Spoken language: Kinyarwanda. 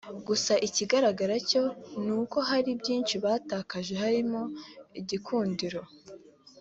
gusa ikigaragara cyo ni uko hari byinshi batakaje harimo igikundiro